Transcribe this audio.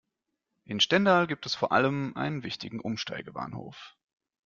In Stendal gibt es vor allem einen wichtigen Umsteigebahnhof.